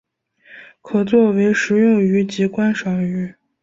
可做为食用鱼及观赏鱼。